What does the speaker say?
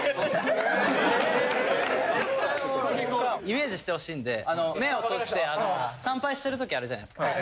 ・イメージしてほしいんで目を閉じて参拝してる時あるじゃないですか